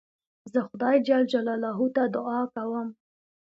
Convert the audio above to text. زه خدای جل جلاله ته دؤعا کوم.